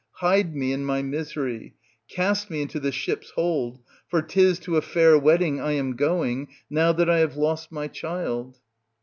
Hide me and my misery ; cast me into the ship's hold ; for 'tis to a fair wed ding I am going, now that I have lost my child